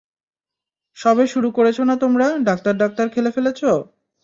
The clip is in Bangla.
সবে শুরু করেছ না তোমারা ডাক্তার ডাক্তার খেলে ফেলেছ?